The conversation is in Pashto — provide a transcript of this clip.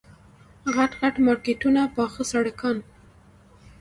غټ غټ مارکېټونه پاخه سړکان.